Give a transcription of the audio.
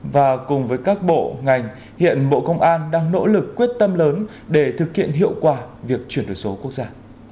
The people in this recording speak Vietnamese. và cùng với các bộ ngành hiện bộ công an đang nỗ lực quyết tâm lớn để thực hiện hiệu quả việc chuyển đổi số quốc gia